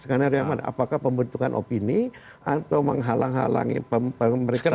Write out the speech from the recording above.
skenario yang mana apakah pembentukan opini atau menghalang halangi pemeriksaan